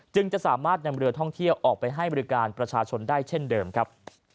จะสามารถนำเรือท่องเที่ยวออกไปให้บริการประชาชนได้เช่นเดิมครับ